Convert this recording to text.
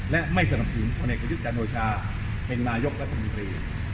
และไม่สนับถึงคนแห่งกระยุกต์จัดโนชาเป็นรายกรและธุรกิจ